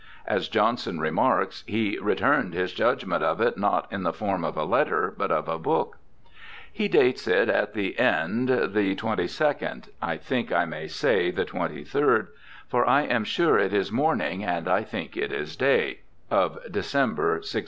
As Johnson remarks, he 'returned his judgement of it not in the form of a letter but of a book '. He dates it at the end ' the 22nd (I think I may say the 23rd, for I am sure it is morning and I think it is day) of December, 1642.'